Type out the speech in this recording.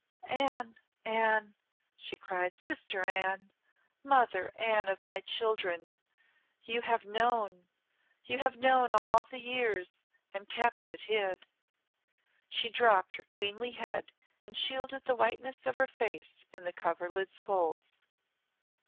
"Anne! Anne!" she cried. "Sister Anne! Mother Anne of my children! You have known you have known all the years and kept it hid!" She dropped her queenly head and shielded the whiteness of her face in the coverlid's folds.